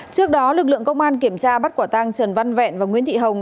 trước đó lực lượng công an kiểm tra bắt quả tăng trần văn vẹn và nguyễn thị hồng